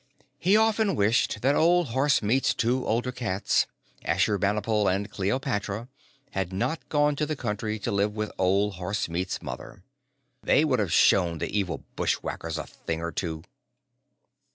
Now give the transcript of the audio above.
He often wished that old Horsemeat's two older cats, Ashurbanipal and Cleopatra, had not gone to the country to live with Old Horsemeat's mother. They would have shown the evil bushwackers a thing or two!